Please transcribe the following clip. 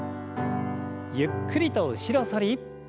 ゆっくりと後ろ反り。